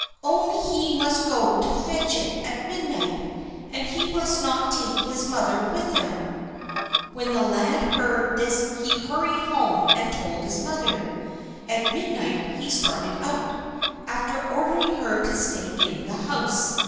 Only he must go to fetch it at midnight, and he must not take his mother with him." When the lad heard this he hurried home and told his mother. At midnight he started out, after ordering her to stay in the house.